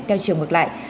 theo trường ngược lại